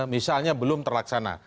misalnya belum terlaksana